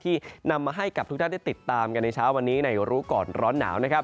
ที่นำมาให้ทุกท่านได้ติดตามในเช้าวันนี้ในรู้ก่อนร้อนหนาว